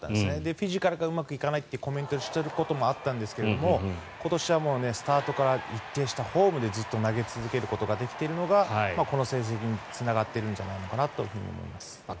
フィジカルがうまくいかないってコメントしていることもあったんですが今年はスタートから一定したフォームでずっと投げ続けることができてるのがこの成績につながってるんじゃないかと思います。